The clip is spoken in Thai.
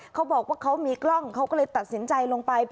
เขาบอกว่าเขามีกล้องเขาก็เลยตัดสินใจลงไป